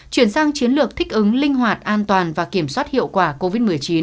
chuyển sang chiến lược thích ứng linh hoạt an toàn và kiểm soát hiệu quả covid một mươi chín